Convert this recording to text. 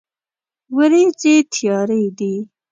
ورېځې تیارې دي